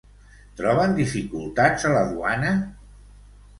Troben dificultats a la duana?